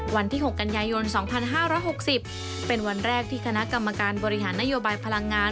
วันที่๖กันยายน๒๕๖๐เป็นวันแรกที่คณะกรรมการบริหารนโยบายพลังงาน